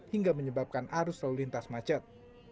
hingga menyebabkan arus lalu lintas macet